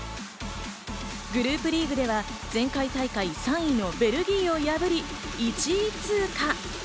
グループリーグでは前回大会３位のベルギーを破り、１位通過。